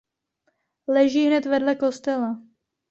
Leží hned vedle kostela.